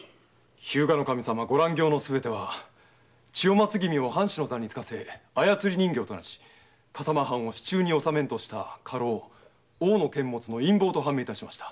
日向守様ご乱行はすべて千代松君を藩主の座につかせ操り人形とし笠間藩を手中に納めんとした家老・大野監物の陰謀と判明致しました。